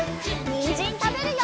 にんじんたべるよ！